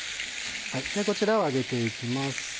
こちらをあげて行きます。